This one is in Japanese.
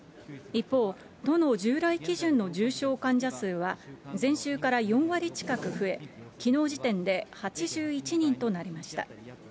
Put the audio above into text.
一方、都の従来基準の重症患者数は、前週から４割近く増え、きのう時点で８１人となりました。